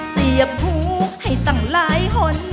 เสียบหูให้ตั้งหลายคน